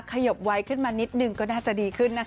ขยบไวขึ้นมานิดนึงก็น่าจะดีขึ้นนะคะ